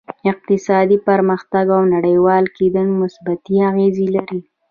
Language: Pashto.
اقتصادي پرمختیا او نړیوال کېدل مثبتې اغېزې لري